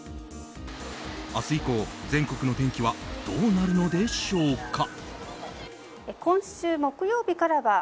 明日以降、全国の天気はどうなるのでしょうか。